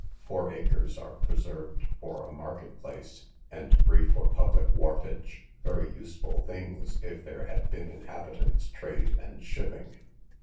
Four acres are preserved for a market place, and three for public wharfage—very useful things, if there had been inhabitants, trade, and shipping.